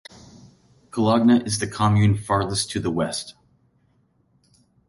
Collagna is the commune farthest to the West.